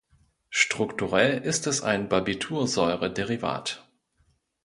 Strukturell ist es ein Barbitursäure-Derivat.